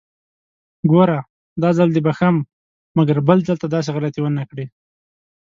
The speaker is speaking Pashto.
ګوره! داځل دې بښم، مګر بل ځل ته داسې غلطي ونکړې!